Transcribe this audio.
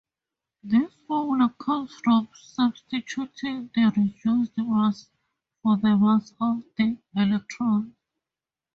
This formula comes from substituting the reduced mass for the mass of the electron.